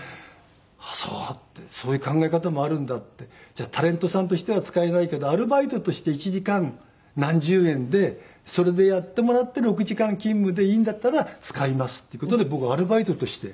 「じゃあタレントさんとしては使えないけどアルバイトとして１時間何十円でそれでやってもらって６時間勤務でいいんだったら使います」っていう事で僕アルバイトとして。